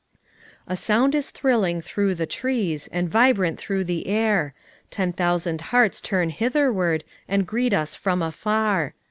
"A sound is thrilling through the trees And vibrant through the air; Ten thousand hearts turn hitherward And greet us from afar.